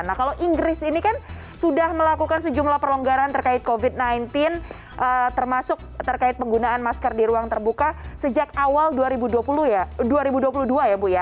nah kalau inggris ini kan sudah melakukan sejumlah perlonggaran terkait covid sembilan belas termasuk terkait penggunaan masker di ruang terbuka sejak awal dua ribu dua puluh dua ya bu ya